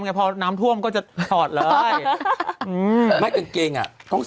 คอมเมนท์